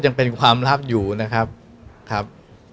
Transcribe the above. ยังเป็นความลับอยู่นะครับครับ